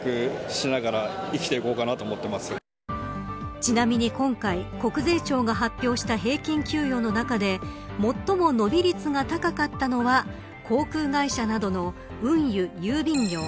ちなみに今回、国税庁が発表した平均給与の中で最も伸び率が高かったのは航空会社などの運輸・郵便業。